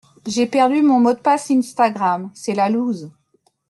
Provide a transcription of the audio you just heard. J'ai perdu mon mot de passe Instagram, c'est la loose.